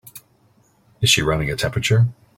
Is she running a temperature?